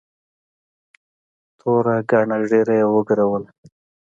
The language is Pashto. توره گڼه ږيره يې وګروله.